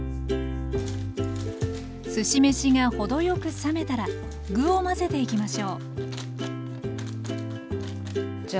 すし飯が程よく冷めたら具を混ぜていきましょうじゃあ